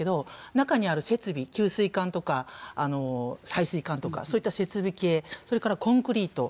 中にある設備給水管とか配水管とかそういった設備系それからコンクリート。